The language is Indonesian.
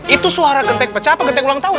itu suara genteng pecah apa genteng ulang tahun